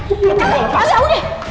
udah gak udah